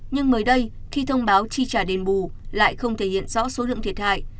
nhưng mới đây khi thông báo chi trả đền bù lại không thể hiện rõ số lượng thiệt hại